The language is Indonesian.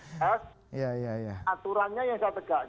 ini adalah aturannya yang saya tegakkan